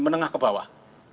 menengah ke bawah